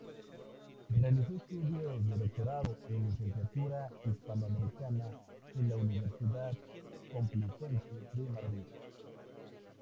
Realizó estudios de doctorado en Literatura Hispanoamericana en la Universidad Complutense de Madrid.